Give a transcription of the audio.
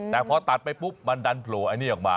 แต่พอตัดไปปุ๊บมันดันโผล่อันนี้ออกมา